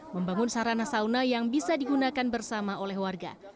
membangun sarana sauna yang bisa digunakan bersama oleh warga